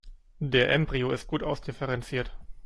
Der Embryo ist gut ausdifferenziert.